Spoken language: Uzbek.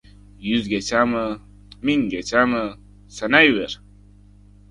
Yuzgachami, minggachami, sanayver.